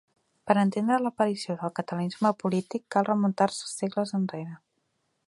Per entendre l'aparició del catalanisme polític cal remuntar-se segles enrere.